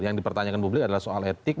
yang dipertanyakan publik adalah soal etik